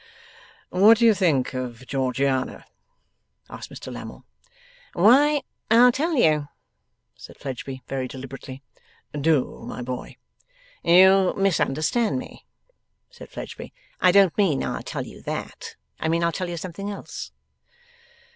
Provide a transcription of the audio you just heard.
'What did you think of Georgiana?' asked Mr Lammle. 'Why, I'll tell you,' said Fledgeby, very deliberately. 'Do, my boy.' 'You misunderstand me,' said Fledgeby. 'I don't mean I'll tell you that. I mean I'll tell you something else.